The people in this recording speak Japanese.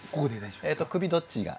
首どっちが？